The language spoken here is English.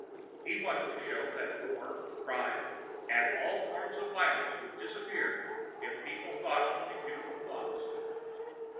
He wanted to show that war, crime and all forms of violence would disappear if people thought only beautiful thoughts.